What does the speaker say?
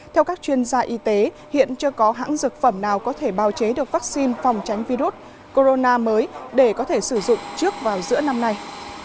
theo các chuyên gia y tế hiện chưa có hãng dược phẩm nào có thể bào chế được vaccine phòng tránh virus corona mới để có thể sử dụng trước vào giữa năm nay